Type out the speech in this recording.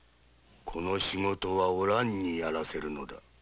この仕事はお蘭にやらせるのだ。